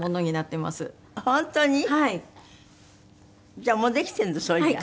じゃあもうできてるんだそれじゃあ。